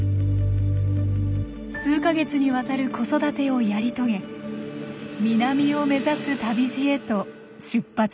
数か月にわたる子育てをやり遂げ南を目指す旅路へと出発しました。